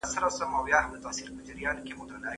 د هغو ښځو دپاره چي حج ته ځي دا مشوره ډېره ښه ده.